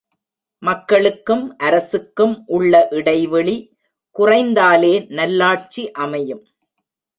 மக்களுக்கும் அரசுக்கும் உள்ள இடைவெளி குறைந்தாலே நல்லாட்சி அமையும்.